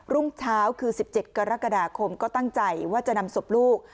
รุ่งเช้าคือ๑๗กรกฎาคมก็ตั้งใจว่าจะนำศพลูก